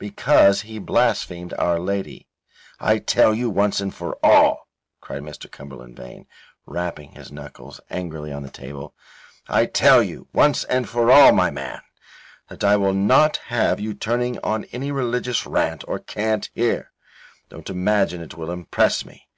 "Because he blasphemed Our Lady." "I tell you once and for all," cried Mr. Cumberland Vane, rapping his knuckles angrily on the table, "I tell you, once and for all, my man, that I will not have you turning on any religious rant or cant here. Don't imagine that it will impress me.